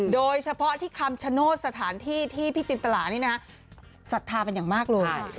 โดยเฉพาะที่คำชโนธสถานที่ที่พี่จินตลานี่นะศรัทธาเป็นอย่างมากเลย